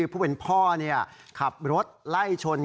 ผู้เป็นพ่อขับรถไล่ชน